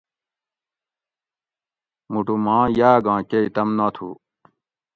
موٹو ماں یاۤگاں کئ طم ناتھو